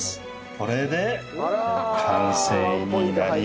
これで完成になります。